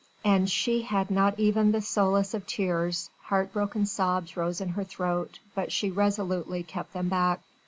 And she had not even the solace of tears heart broken sobs rose in her throat, but she resolutely kept them back.